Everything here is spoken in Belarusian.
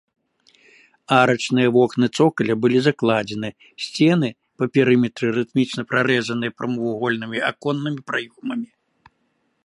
Арачныя вокны цокаля былі закладзены, сцены па перыметры рытмічна прарэзаныя прамавугольнымі аконнымі праёмамі.